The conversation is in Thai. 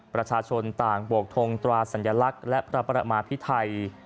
ประชาชนต่างบวกทงตราสัญลักษณ์และพระประมาพิไทย